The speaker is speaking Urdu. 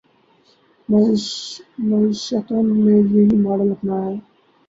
معیشتوں نے یہی ماڈل اپنایا ہے۔